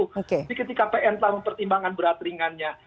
jadi ketika pn telah mempertimbangkan berat ringannya